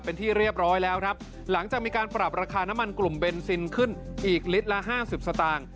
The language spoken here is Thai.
เป็นที่เรียบร้อยแล้วครับหลังจากมีการปรับราคาน้ำมันกลุ่มเบนซินขึ้นอีกลิตรละห้าสิบสตางค์